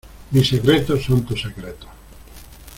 mis secretos son tus secretos.